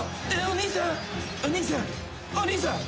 お兄さん。